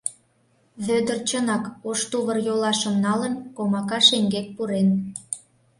Вӧдыр чынак ош тувыр-йолашым налын, комака шеҥгек пурен.